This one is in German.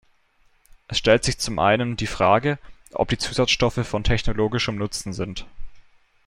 Es stellt sich zum einen die Frage, ob die Zusatzstoffe von technologischem Nutzen sind.